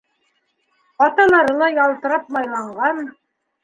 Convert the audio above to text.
Ҡаталары ла ялтырап майланған.